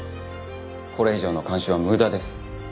これ以上の監視は無駄です。